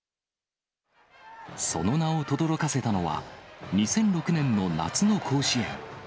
その名をとどろかせたのは、２００６年の夏の甲子園。